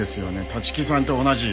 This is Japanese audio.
立木さんと同じ。